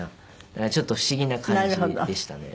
だからちょっと不思議な感じでしたね。